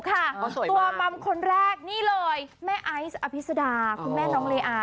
ตัวมัมคนแรกนี่เลยแม่ไอซ์อภิษดาคุณแม่น้องเลอา